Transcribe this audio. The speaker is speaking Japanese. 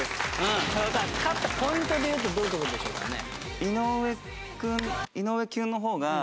勝ったポイントでいうとどういうところでしょうかね？